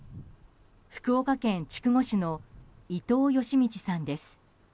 福岡県筑後市の伊藤嘉通さんです。